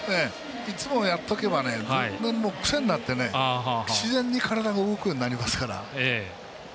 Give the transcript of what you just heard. いつもやっておけば自分の癖になって自然に体が動くようになりますから。